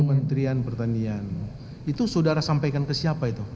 kementerian pertanian itu saudara sampaikan ke siapa itu